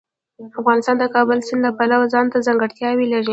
افغانستان د کابل سیند له پلوه ځانته ځانګړتیاوې لري.